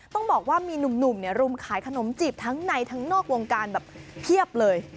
ต้องบอกว่ามีหนุ่มรุมขายขนมจีบทั้งในทั้งนอกวงการแบบเพียบเลย